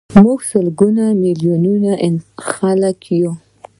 موږ لسګونه میلیونه خلک یو.